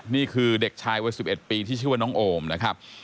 นี่คือเด็กชายวัย๑๑ปีที่ชื่อว่าน้องโอมนะครับ